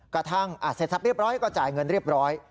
กระทั่งเสร็จทรัพย์เรียบร้อยก็จ่ายเงินเรียบร้อย